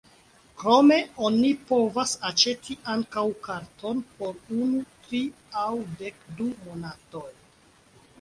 Krome oni povas aĉeti ankaŭ karton por unu, tri aŭ dekdu monatoj.